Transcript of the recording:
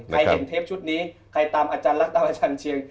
เห็นเทปชุดนี้ใครตามอาจารย์ลักตามอาจารย์เชียง